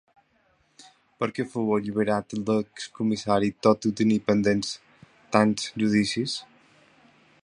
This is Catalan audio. Per què fou alliberat l’ex-comissari, tot i tenir pendents tants judicis?